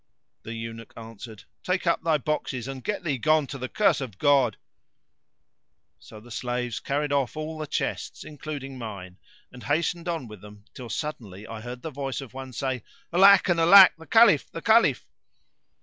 The eunuch answered, "Take up thy boxes and get thee gone to the curse of God!" So the slaves carried off all the chests, including mine; and hastened on with them till suddenly I heard the voice of one saying, "Alack, and alack! the Caliph! the Caliph